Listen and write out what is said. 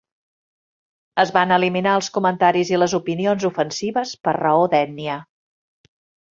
Es van eliminar els comentaris i les opinions ofensives per raó d'ètnia.